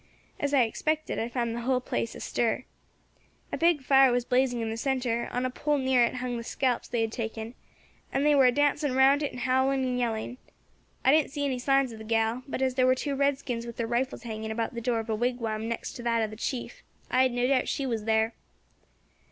As I expected, I found the hull place astir. A big fire was blazing in the centre; on a pole near it hung the scalps they had taken, and they were a dancing round it and howling and yelling. I didn't see any signs of the gal; but as there were two redskins with their rifles hanging about the door of a wigwam next to that of the chief, I had no doubt she was there.